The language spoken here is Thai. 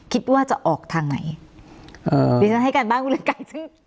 คิดว่าจะออกทางไหนเอ่อดิฉันให้การบ้านคุณเรืองไกรซึ่ง